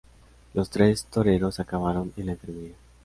Los tres toreros acabaron en la enfermería.